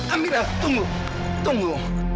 amira tunggu tunggu